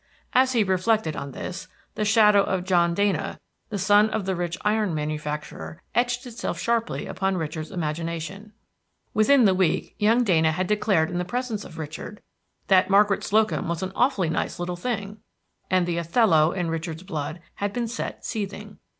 As he reflected on this, the shadow of John Dana, the son of the rich iron manufacturer, etched itself sharply upon Richard's imagination. Within the week young Dana had declared in the presence of Richard that "Margaret Slocum was an awfully nice little thing," and the Othello in Richard's blood had been set seething.